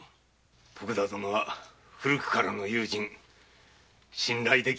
徳田殿は古くからの友人信頼できるお人だ。